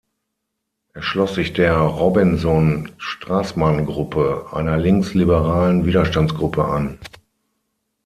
Er schloss sich der Robinsohn-Strassmann-Gruppe, einer linksliberalen Widerstandsgruppe, an.